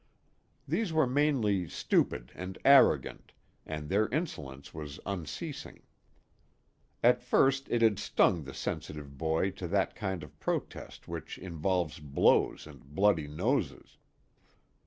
These were mainly stupid and arrogant, and their insolence was unceasing. At first it had stung the sensitive boy to that kind of protest which involves blows and bloody noses.